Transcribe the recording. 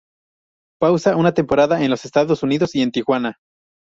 Pasa una temporada en los Estados Unidos y en Tijuana.